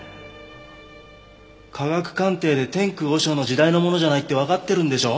科学鑑定で天空和尚の時代のものじゃないってわかってるんでしょ？